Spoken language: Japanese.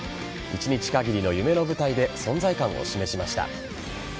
一日限りの夢の舞台で存在感を示しました。